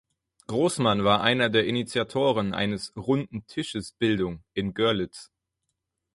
Großmann war einer der Initiatoren eines „Runden Tisches Bildung“ in Görlitz.